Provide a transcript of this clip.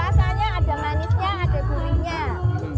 rasanya ada manisnya ada gurihnya